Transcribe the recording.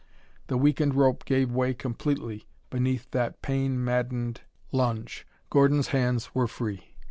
The weakened rope gave way completely beneath that pain maddened lunge. Gordon's hands were free.